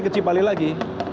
ke cipali lagi